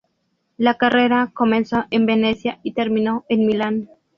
La carrera comenzó en Venecia y terminó en Milán.